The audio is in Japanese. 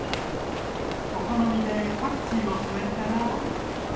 お好みでパクチーを添えたら。